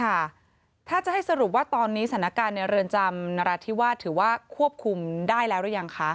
ค่ะถ้าจะให้สรุปว่าตอนนี้สถานการณ์ในเรือนจำนราธิวาสถือว่าควบคุมได้แล้วหรือยังคะ